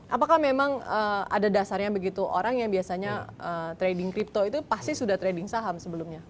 apakah memang ada dasarnya begitu orang yang biasanya trading crypto itu pasti sudah trading saham sebelumnya